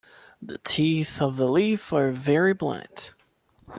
The teeth of the leaf are very blunt.